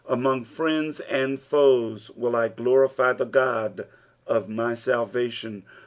Among friends and foes wilt I glonfy the Ood of my aalvation.